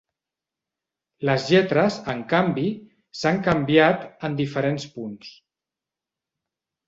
Les lletres, en canvi, s'han canviat en diferents punts.